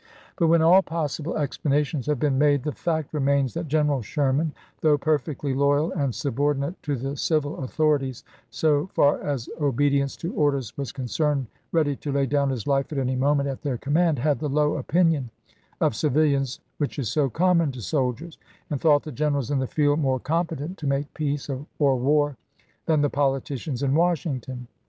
But when all possible explanations have been made, the fact remains that General Sherman, though perfectly loyal and subordinate to the civil authorities, so far as obedience to orders was con cerned, ready to lay down his life at any moment at their command, had the low opinion of civilians which is so common to soldiers, and thought the generals in the field more competent to make peace or war than the politicians in Washington.